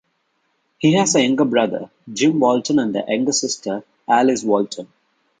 He has a younger brother, Jim Walton and a younger sister, Alice Walton.